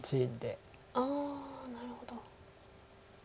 ああなるほど。